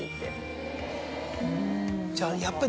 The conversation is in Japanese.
じゃあやっぱり。